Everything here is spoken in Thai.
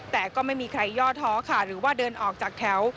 แต่ก็ไม่มีใครย่อท้อค่ะหรือว่าเดินออกจากแถว